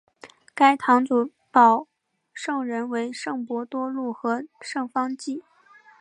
该堂主保圣人为圣伯多禄和圣方济。